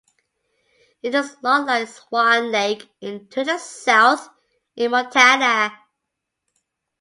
It is a lot like Swan Lake to the south in Montana.